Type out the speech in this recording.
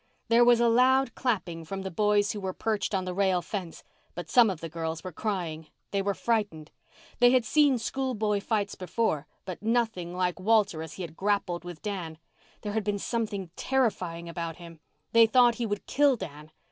There was a loud clapping from the boys who were perched on the rail fence, but some of the girls were crying. They were frightened. They had seen schoolboy fights before, but nothing like Walter as he had grappled with Dan. There had been something terrifying about him. They thought he would kill Dan.